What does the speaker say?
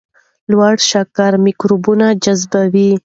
لوړ شکر میکروبونه جذبوي.